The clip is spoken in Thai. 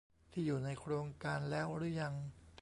ที่อยู่ในโครงการแล้วรึยัง